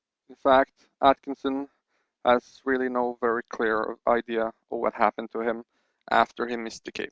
In fact Atkinson has really no very clear idea of what happened to him after he missed the Cape.